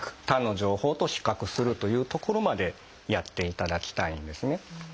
他の情報と比較するというところまでやっていただきたいんですね。